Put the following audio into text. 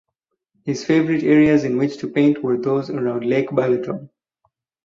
His favorite areas in which to paint were those around Lake Balaton.